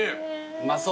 うまそう。